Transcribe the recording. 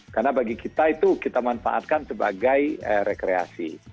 karena bagi kita itu kita manfaatkan sebagai rekreasi